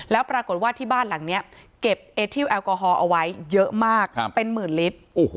แล้วปรากฏว่าที่บ้านหลังนี้เก็บเอทิลแอลกอฮอล์เอาไว้เยอะมากเป็นหมื่นลิตร